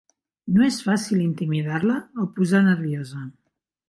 No és fàcil intimidar-la o posar nerviosa.